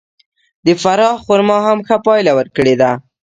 د فراه خرما هم ښه پایله ورکړې ده.